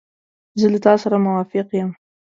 زه له تا سره موافق یم.